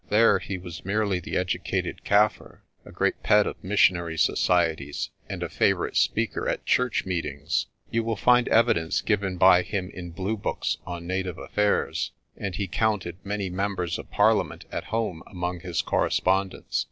There he was merely the edu cated Kaffir; a great pet of missionary societies and a favour ite speaker at Church meetings. You will find evidence given by him in Blue Books on native affairs, and he counted many members of Parliament at home among his corre spondents.